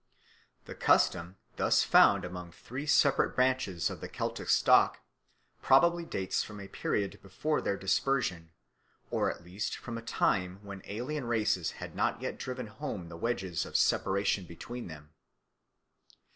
The custom, thus found among three separate branches of the Celtic stock, probably dates from a period before their dispersion, or at least from a time when alien races had not yet driven home the wedges of separation between them.